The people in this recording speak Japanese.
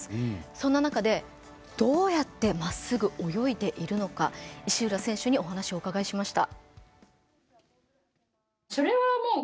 そんな中で、どうやってまっすぐ泳いでいるのか石浦選手にお話をお伺いしました。